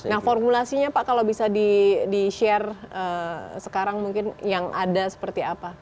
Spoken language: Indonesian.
nah formulasinya pak kalau bisa di share sekarang mungkin yang ada seperti apa